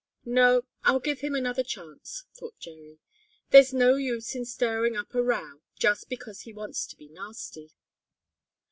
"No, I'll give him another chance," thought Jerry. "There's no use in stirring up a row just because he wants to be nasty."